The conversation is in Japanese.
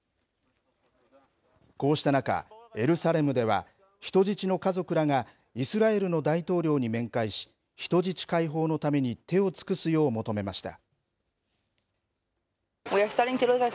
こうした中、エルサレムでは、人質の家族らがイスラエルの大統領に面会し、人質解放のために手を尽くすよう求めました。